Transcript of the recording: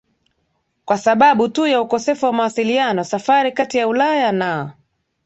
kwa sababu tu ya ukosefu wa mawasiliano Safari kati ya Ulaya na